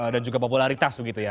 dan juga popularitas begitu ya